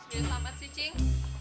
semoga selamat sih cing